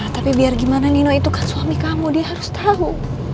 tapi biar gimana nino itu kan suami kamu dia harus tahu